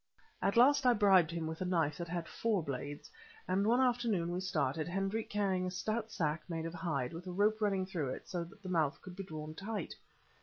At last I bribed him with a knife that had four blades, and one afternoon we started, Hendrik carrying a stout sack made of hide, with a rope running through it so that the mouth could be drawn tight.